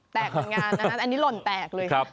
แตกคลิกงานอันนี้ล่นแตกเลย